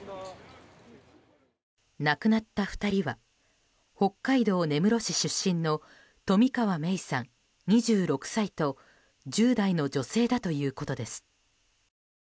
亡くなった２人は北海道根室市出身の冨川芽生さん、２６歳と１０代の女性だということです。